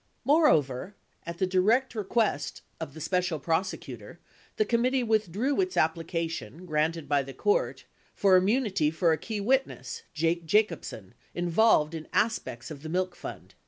Moreover, at the direct request of the Special Prosecutor, the committee withdrew its application granted by the court for use immunity for a key witness, Jake Jacobsen, involved in aspects of the milk fund.